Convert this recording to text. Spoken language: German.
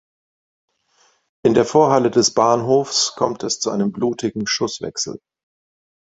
In der Vorhalle des Bahnhofs kommt es zu einem blutigen Schusswechsel.